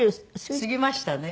過ぎましたね。